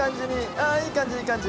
あいい感じいい感じ！